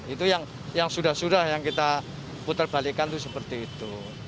itu yang sudah sudah yang kita putar balikan itu seperti itu